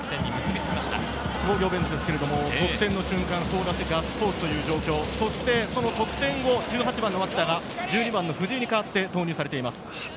津工業ベンチですが、得点の瞬間、ガッツポーズ、総立ちという状況、その得点後、１８番・脇田が、１２番・藤井に代わって投入されています。